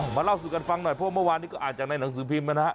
เอ้ามาเล่าสู่กันฟังหน่อยเพราะว่าเมื่อวานนี้ก็อาจจะในหนังสือพิมพ์นะครับ